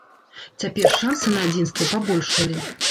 Цяпер шансы на адзінства пабольшалі.